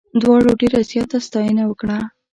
دواړو ډېره زیاته ستاینه وکړه.